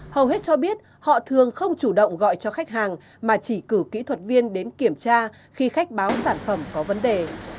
hầu hết cho biết họ thường không chủ động gọi cho khách hàng mà chỉ cử kỹ thuật viên đến kiểm tra khi khách báo sản phẩm có vấn đề